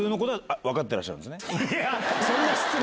そんなね。